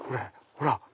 ほら！